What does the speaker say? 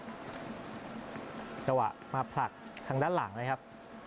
อาธิสรจังหวะมาผลักทางด้านหลังเลยครับ